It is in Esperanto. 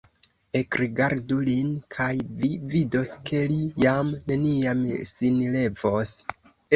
Ekrigardu lin, kaj vi vidos, ke li jam neniam sin levos.